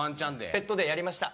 ペットデーやりました。